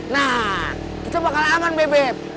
nah kita bakal aman beb beb